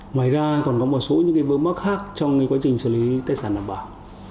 ngoài ra còn có một số những vướng mắc khác trong quá trình xử lý tài sản đảm bảo